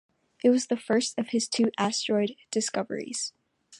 It was the first of his two asteroid discoveries.